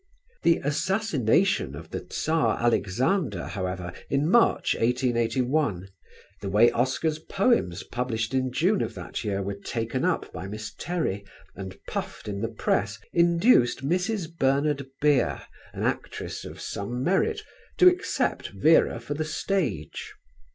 The assassination of the Tsar Alexander, however, in March, 1881; the way Oscar's poems published in June of that year were taken up by Miss Terry and puffed in the press, induced Mrs. Bernard Beere, an actress of some merit, to accept Vera for the stage.